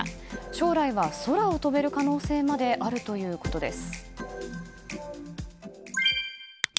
将来は空を飛べる可能性まであるということです。